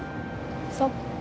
そう。